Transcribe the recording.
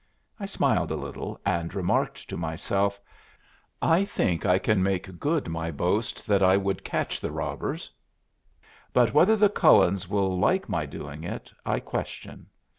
I smiled a little, and remarked to myself, "I think I can make good my boast that I would catch the robbers; but whether the Cullens will like my doing it, I question.